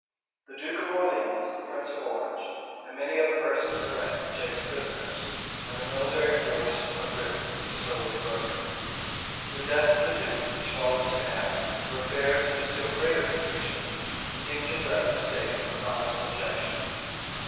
[*] The duke of Orleans the prince of Orange, and many other persons of rank were taken prisoners; and the military force of Brittany was totally broken. The death of the duke, which followed soon after, threw affairs into still greater confusion, and seemed to threaten the state with a final subjection.